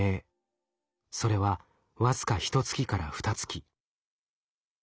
それは僅かひと月からふた月。